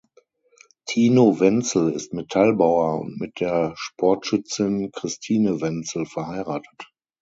Tino Wenzel ist Metallbauer und mit der Sportschützin Christine Wenzel verheiratet.